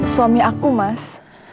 suami aku mas